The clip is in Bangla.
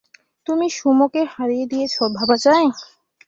তুমি সুমোকে হারিয়ে দিয়েছো, ভাবা যায়?